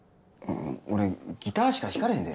俺ギターしか弾かれへんで？